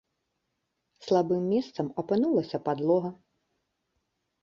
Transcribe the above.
Слабым месцам апынулася падлога.